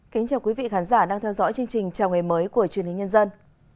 kính chào quý vị khán giả đang theo dõi chương trình chào ngày mới của truyền hình nhân dân